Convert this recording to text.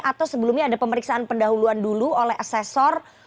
atau sebelumnya ada pemeriksaan pendahuluan dulu oleh asesor